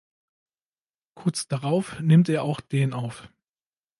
Kurz darauf nimmt er auch den auf.